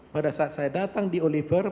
pada saat saya datang di oliver